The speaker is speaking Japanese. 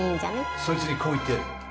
そいつにこう言ってやれ。